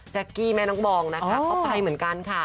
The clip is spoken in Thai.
กี้แม่น้องบองนะคะก็ไปเหมือนกันค่ะ